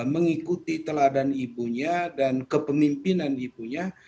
mengikuti teladan ibunya dan kepemimpinan ibunya